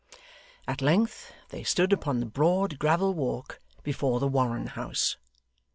At length they stood upon the broad gravel walk before the Warren house.